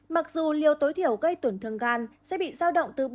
mặc dù liều tối thiểu gây tuẩn thương gan sẽ bị giao động từ bốn một mươi g